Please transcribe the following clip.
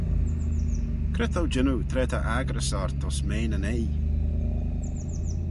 Cre t'ou jannoo tra ta accyrys ort ayns mean yn oie?